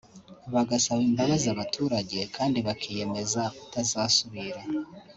bagasaba imbabazi abaturage kandi bakiyemeza kutazabisubira